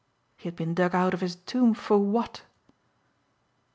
He had been dug out of his tomb for what?